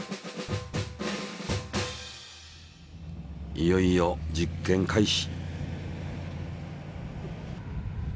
いよいよ実験開始。